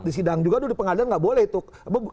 di sidang juga di pengadilan juga tidak boleh